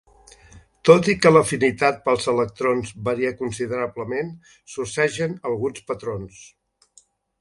Tot i que l'afinitat pels electrons varia considerablement, sorgeixen alguns patrons.